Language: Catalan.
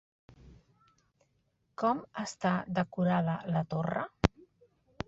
Com està decorada la torre?